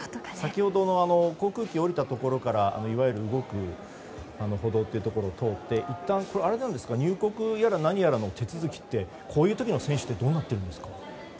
先ほどの航空機を降りたところからいわゆる動く歩道を通っていったん入国やら何やらの手続きってこういう時の選手ってどうなってるんですか？